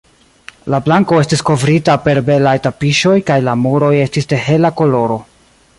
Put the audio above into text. La planko estis kovrita per belaj tapiŝoj, kaj la muroj estis de hela koloro.